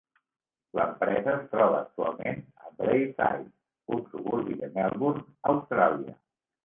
L'empresa es troba actualment a Braeside, un suburbi de Melbourne, Austràlia.